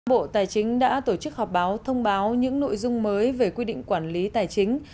bộ tài chính đã tổ chức họp báo thông báo những nội dung mới về quy định quản lý tài chính